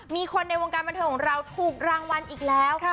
มีคนในวงการบันเทิงของเราถูกรางวัลอีกแล้ว